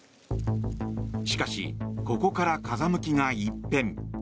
しかし、ここから風向きが一変。